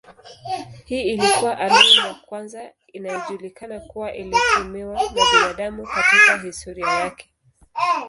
Hii ilikuwa aloi ya kwanza inayojulikana kuwa ilitumiwa na binadamu katika historia yake.